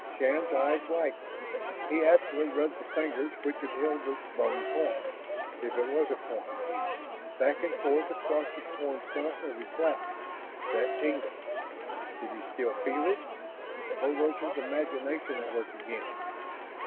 Shann's eyes widened. He absently rubbed the fingers which had held the bone coin if it was a coin back and forth across the torn front of his blouse. That tingle ... did he still feel it? Or was his imagination at work again?